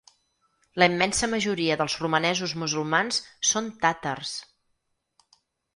La immensa majoria dels romanesos musulmans són tàtars.